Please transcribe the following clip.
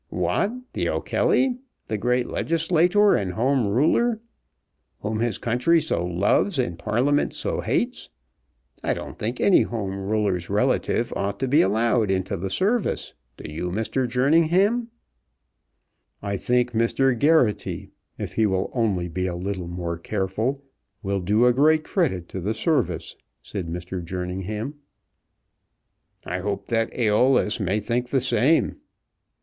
"What, the O'Kelly, the great legislator and Home Ruler, whom his country so loves and Parliament so hates! I don't think any Home Ruler's relative ought to be allowed into the service. Do you, Mr. Jerningham?" "I think Mr. Geraghty, if he will only be a little more careful, will do great credit to the service," said Mr. Jerningham. "I hope that Æolus may think the same."